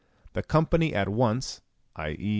The company at once, i.e.